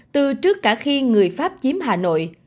từ trước cả khi người pháp chiếm hà nội